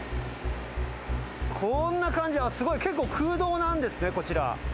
こんな感じ、すごい、結構空洞なんですね、こちら。